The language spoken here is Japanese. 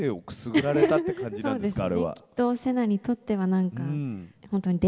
そうですね。